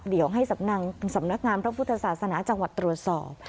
เดี๋ยวให้สำนักงามพระพุทธศาสนาจังหวัดตรวจสอบ